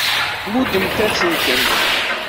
Tmuddemt-asen-tent.